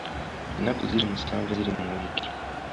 Ennaku ziri musanvu eziri mu wiiki.